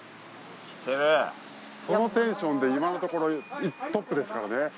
そのテンションで今のところトップですからね。